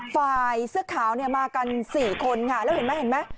ฝ่ายเสื้อขาวเนี่ยมากันสี่คนค่ะแล้วเห็นไหม